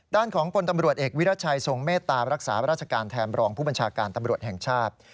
ด้านของพลตำรวจเอกวิรัชัยทรงเมตตารักษาราชการแทนรองผู้บัญชาการตำรวจแห่งชาติ